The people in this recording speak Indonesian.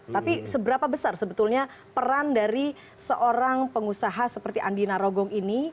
tapi seberapa besar sebetulnya peran dari seorang pengusaha seperti andina rogong ini